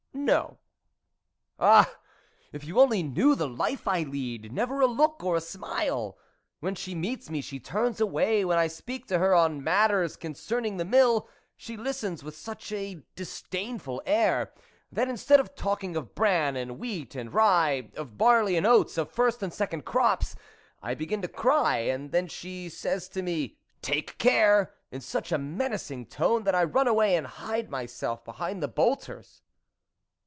No." " Ah ! if you only knew the life I lead ! never a look, or a smile ! When she meets me she turns away, when I speak to her on matters concerning the mill, she listens with such a disdainful air, that instead of talking of bran and wheat and rye, of barley and oats, of first and second crops, I begin to cry, and then she says to me, Take care ! in such a menacing tone, that I run away and hide myself behind the bolters."